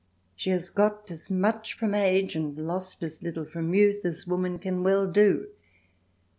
She has got as much from age and lost as little from youth as woman can well do.